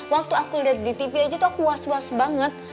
waktu aku lihat di tv aja tuh aku was was banget